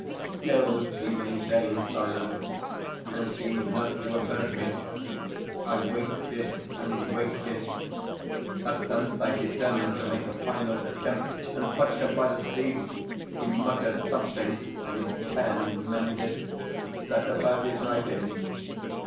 Still he maintained silence, and seemed not to have heard me. I waited and waited. At length I determined to make a final attempt, and plucked him by the sleeve. He muttered something, and, his pen mended, set about his writing.